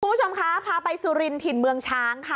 คุณผู้ชมคะพาไปสุรินถิ่นเมืองช้างค่ะ